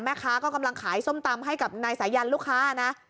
แม่ค้าก็กำลังขายส้มตำให้กับนายสายันลูกค้านะ